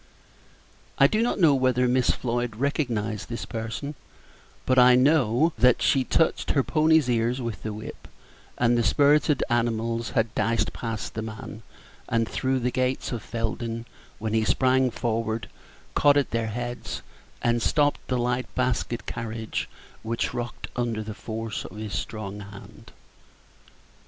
I do not know whether Miss Floyd recognized this person; but I know that she touched her ponies' ears with the whip, and the spirited animals had dashed past the man, and through the gates of Felden, when he sprang forward, caught at their heads, and stopped the light basket carriage, which rocked under the force of his strong hand.